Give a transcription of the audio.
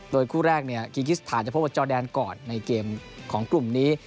โดยคู่แรกกิคิสธานจะพบว่าจอดแดนก่อนในเกมของกลุ่มนี้